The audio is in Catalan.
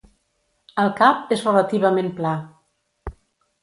El cap és relativament pla.